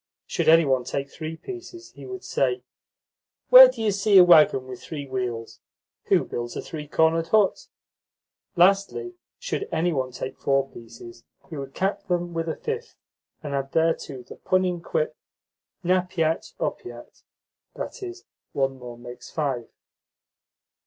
Should any one take three pieces, he would say: "Where do you see a waggon with three wheels? Who builds a three cornered hut?" Lastly, should any one take four pieces, he would cap them with a fifth, and add thereto the punning quip, "Na piat opiat ".